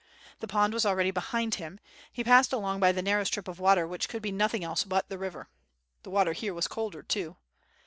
The pond was already behind him, he passed along by the narrow strip of water which could be nothing else but the river. The water here was colder too.